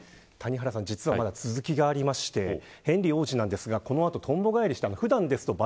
谷原さん実は、まだ続きがありましてヘンリー王子ですが、この後とんぼ帰りをしました。